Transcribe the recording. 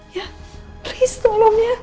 ya please tolong ya